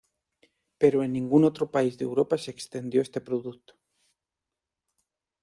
Pero en ningún otro país de Europa se extendió este producto.